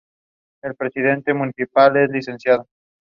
Taika Waititi has been cast in an undisclosed role.